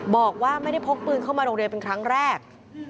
บอกว่าไม่ได้พกปืนเข้ามาโรงเรียนเป็นครั้งแรก